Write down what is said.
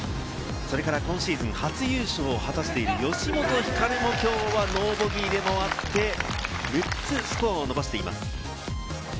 今シーズン初優勝を果たしている吉本ひかるも、きょうはノーボギーで回って、６つスコアを伸ばしています。